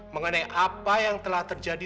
mengenai apa yang telah terjadi